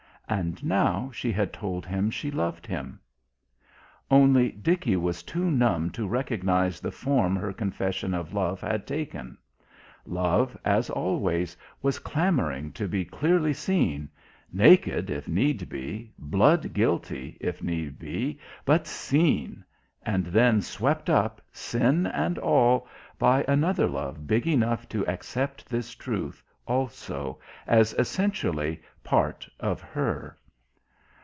And now she had told him she loved him. Only Dickie was too numb to recognise the form her confession of love had taken; love, as always, was clamouring to be clearly seen naked, if need be, blood guilty, if need be but seen ... and then swept up, sin and all, by another love big enough to accept this truth, also, as essentially part of her.